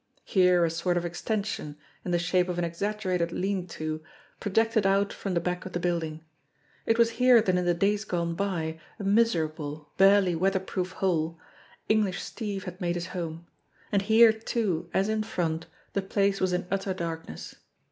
Here a sort of extension, in the shape of an exaggerated lean to, projected out from the back of the building. It was here that in the days gone by, a miserable, barely weather proof hole, English Steve had made his home. And here, too, as in front, the place was in utter darkness.